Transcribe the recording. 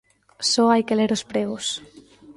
Só hai que ler os pregos.